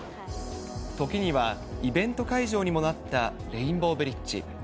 時にはイベント会場にもなったレインボーブリッジ。